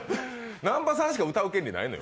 南波さんしか歌う権利ないのよ。